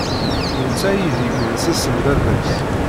D netta ay d-igensesen baba-s.